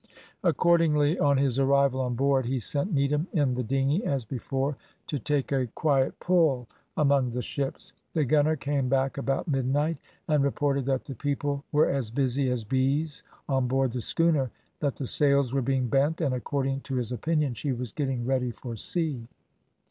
Accordingly, on his arrival on board, he sent Needham in the dinghy, as before, to take a quiet pull among the ships. The gunner came back about midnight, and reported that the people were as busy as bees on board the schooner, that the sails were being bent, and, according to his opinion, she was getting ready for sea.